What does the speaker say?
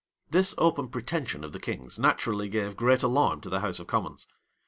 [] This open pretension of the king's naturally gave great alarm to the house of commons.